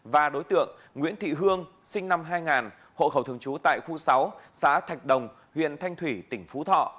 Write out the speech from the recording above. và đối tượng nguyễn thị hương sinh năm hai nghìn hộ khẩu thường trú tại khu sáu xã thạch đồng huyện thanh thủy tỉnh phú thọ